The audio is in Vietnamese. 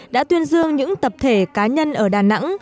đã tuyên dương những tập thể cá nhân ở đà nẵng